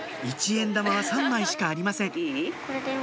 一円玉は３枚しかありません